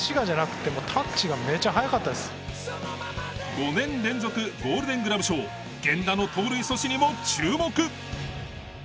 ５年連続ゴールデン・グラブ賞源田の盗塁阻止にも注目！